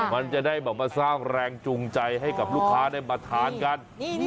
มันจะได้แบบมาสร้างแรงจูงใจให้กับลูกค้าได้มาทานกัน